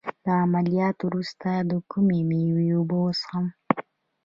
د عملیات وروسته د کومې میوې اوبه وڅښم؟